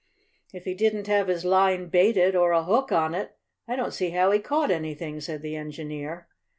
"If he didn't have his line baited, or a hook on it, I don't see how he caught anything," said the engineer.